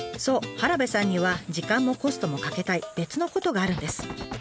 原部さんには時間もコストもかけたい別のことがあるんです。